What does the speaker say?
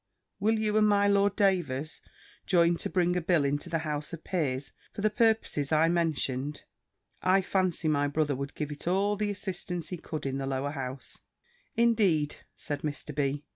will you, and my Lord Davers, join to bring a bill into the House of Peers, for the purposes I mentioned? I fancy my brother would give it all the assistance he could in the Lower House." "Indeed," said Mr. B.